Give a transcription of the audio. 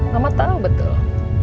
mama tau betul